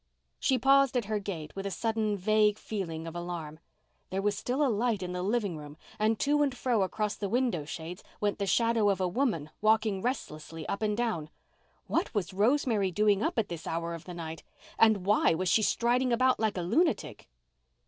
She paused at her gate with a sudden vague feeling of alarm. There was still a light in the living room and to and fro across the window shades went the shadow of a woman walking restlessly up and down. What was Rosemary doing up at this hour of the night? And why was she striding about like a lunatic?